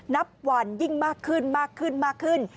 นับวันยิ่งมากขึ้นมากขึ้นมากขึ้น